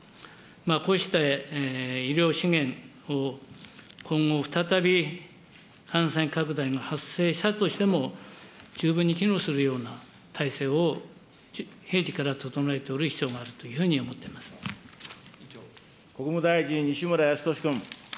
こうして医療資源を今後、再び感染拡大が発生したとしても、十分に機能するような体制を平時から整えておる必要があるという国務大臣、西村康稔君。